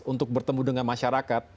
untuk bertemu dengan masyarakat